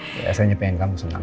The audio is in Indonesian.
saya hanya pengen kamu senang